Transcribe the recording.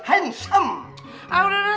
hei tunggu dulu dong